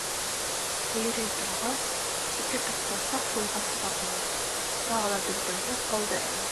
Һөйрәй торғас, ике тоҡто саҡ юлға сығарҙылар, тағы ла дүртәүһе ҡалды әле.